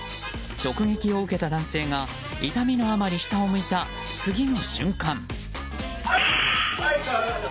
直撃を受けた男性が痛みのあまり下を向いた次の瞬間。